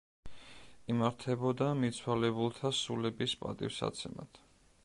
იმართებოდა მიცვალებულთა სულების პატივსაცემად.